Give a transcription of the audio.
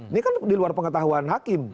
ini kan di luar pengetahuan hakim